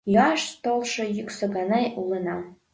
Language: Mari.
Йӱаш толшо йӱксӧ гане улына